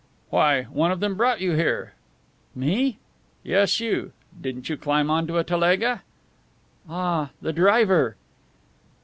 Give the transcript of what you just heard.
"Why, one of them brought you here." "Me?" "Yes, you. Didn't you climb onto a telega?" "Ah, the driver."